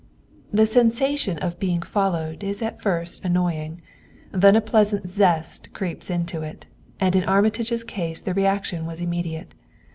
The sensation of being followed is at first annoying; then a pleasant zest creeps into it, and in Armitage's case the reaction was immediate.